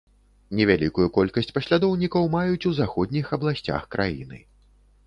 Невялікую колькасць паслядоўнікаў маюць у заходніх абласцях краіны.